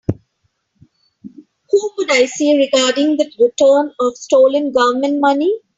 Whom would I see regarding the return of stolen Government money?